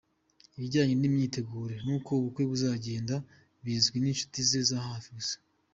Ibijyanye n’imyiteguro n’uko ubukwe buzagenda bizwi n’inshuti ze za hafi gusa.